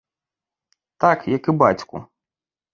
Так, як і бацьку.